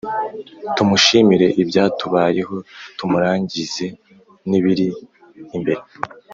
Tumushimire ibyatubayeho tumuragize n’ibiri imberr